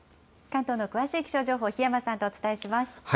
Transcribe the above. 関東の詳しい気象情報、檜山さんとお伝えします。